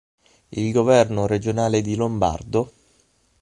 Il governo regionale di Lombardo?